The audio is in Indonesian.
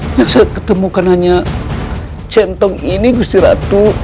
yang saya ketemukan hanya centong ini gusti ratu